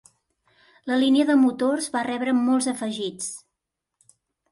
La línia de motors va rebre molts afegits.